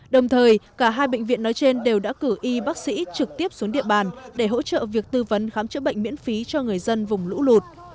đồng thời cả hai bệnh viện nói trên đều đã cử y bác sĩ trực tiếp xuống địa bàn để hỗ trợ việc tư vấn khám chữa bệnh miễn phí cho người dân vùng lũ lụt